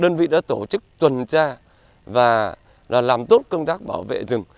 đơn vị đã tổ chức tuần tra và làm tốt công tác bảo vệ rừng